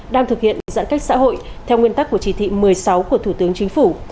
đang thực hiện giãn cách xã hội theo nguyên tắc của chỉ thị một mươi sáu của thủ tướng chính phủ